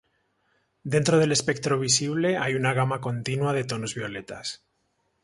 Dentro del espectro visible hay una gama continua de tonos violetas.